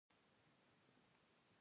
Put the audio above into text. تر ننه د خولې خوند مې ښه دی.